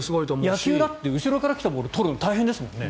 野球だって後ろから来たボールとるの大変ですもんね。